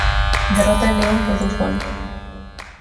Derrota en León por dous goles.